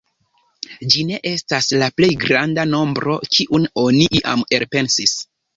Ĝi ne estas la plej granda nombro, kiun oni iam elpensis.